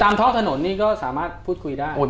ลายการหิตเนี้ย